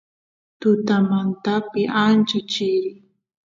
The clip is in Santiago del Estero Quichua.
tutamantapi ancha chirin